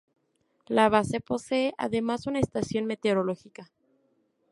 La base posee además una estación meteorológica.